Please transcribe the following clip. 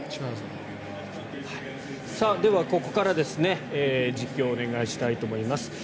では、ここから実況をお願いしたいと思います。